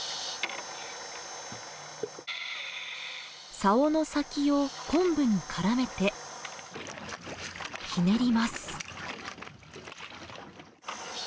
さおの先をコンブに絡めてひねります。